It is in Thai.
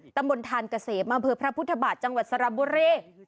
ตำบลทานเกษมมาเผื่อพระพุทธบาทจังหวัดสรบุรี